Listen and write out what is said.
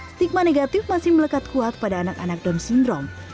stigma negatif masih melekat kuat pada anak anak down syndrome